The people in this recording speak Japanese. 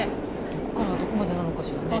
どこからどこまでなのかしらね。